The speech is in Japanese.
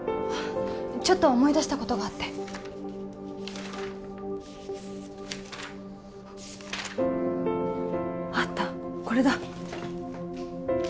ちょっと思い出したことがあってあったこれだ